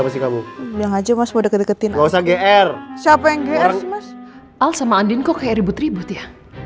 masih kamu yang aja mas udah deketin usah gr siapa yang gr al sama andien kok ribut ribut ya